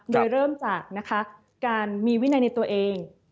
โดยเริ่มจากนะคะการมีวินัยในตัวเอง